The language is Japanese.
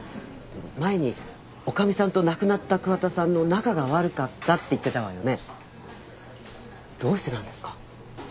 前に女将さんと亡くなった桑田さんの仲が悪かったって言ってたわよねどうしてなんですか？